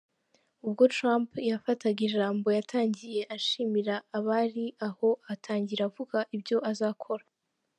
Ubwo Trump yafataga ijambo yatangiye ashimira abari aho, atangira avuga ibyo azakora.